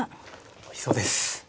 おいしそうです。